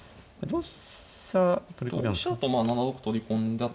同飛車だと７六取り込んだ時に。